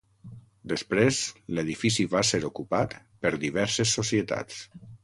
Després, l'edifici va ser ocupat per diverses societats.